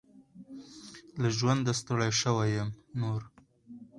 له ژونده ستړي شوي يم نور .